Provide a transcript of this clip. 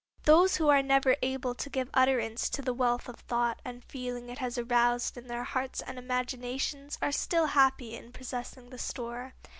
Those who are never able to give utterance to the wealth of thought and feeling it has aroused in their hearts and imaginations are still happy in possessing the store.